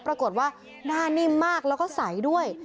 ปรากฏว่าหน้านิ่มมากแล้วก็ใสด้วย